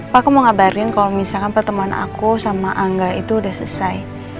pak aku mau ngabarin kalau misalkan pertemuan aku sama angga itu udah selesai